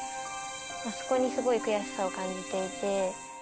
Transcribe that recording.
そこにすごい悔しさを感じていて。